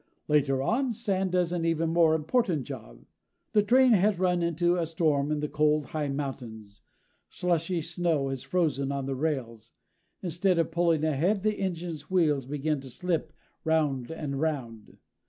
Later on, sand does an even more important job. The train has run into a storm in the cold, high mountains. Slushy snow has frozen on the rails. Instead of pulling ahead, the engine's wheels begin to slip round and round.